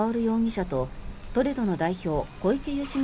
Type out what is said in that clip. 容疑者とトレドの代表小池宣